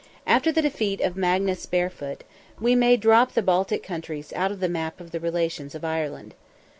After the defeat of Magnus Barefoot, we may drop the Baltic countries out of the map of the relations of Ireland.